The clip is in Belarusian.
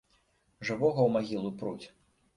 Жывога ў магілу пруць.